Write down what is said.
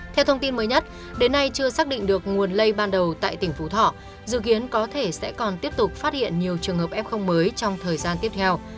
theo thông tin mới nhất đến nay chưa xác định được nguồn lây ban đầu tại tỉnh phú thọ dự kiến có thể sẽ còn tiếp tục phát hiện nhiều trường hợp f mới trong thời gian tiếp theo